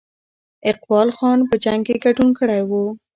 اقبال خان په جنګ کې ګډون کړی وو.